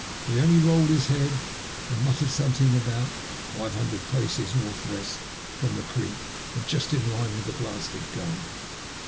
But he only rolled his head and muttered some thing about j?r« hundred paces north west from the creek and just in a line with the blasted gum.'